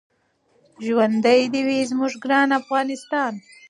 ژوندی دې وي زموږ ګران افغانستان.